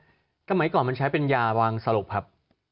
ก็หมายความว่ามันใช้เป็นยาวางสลบครับ